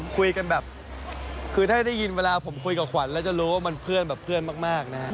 คุยกันแบบคือถ้าได้ยินเวลาผมคุยกับขวัญแล้วจะรู้ว่ามันเพื่อนแบบเพื่อนมากนะครับ